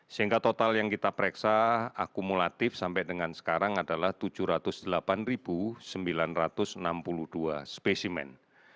sehingga total yang kita pereksa akumulatif sampai dengan sekarang adalah tujuh ratus delapan sembilan ratus enam puluh dua spesimen